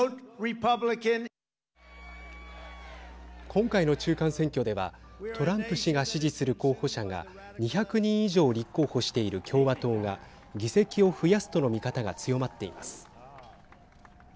今回の中間選挙ではトランプ氏が支持する候補者が２００人以上立候補している共和党が議席を増やすとの見方が強まっています。